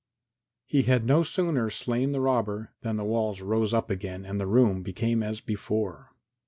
VI He had no sooner slain the robber than the walls rose up again and the room became as before.